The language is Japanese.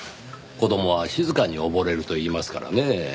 子供は静かに溺れるといいますからねぇ。